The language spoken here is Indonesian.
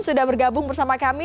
sudah bergabung bersama kami